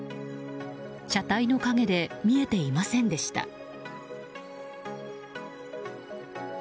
車体の陰で見えていませんでした。